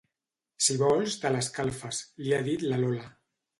Si vols te l'escalfes, li ha dit la Lola.